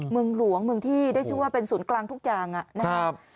เมืองหลวงเมืองที่ได้ชื่อว่าเป็นศูนย์กลางทุกอย่างนะครับ